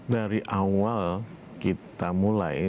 dari awal kita mulai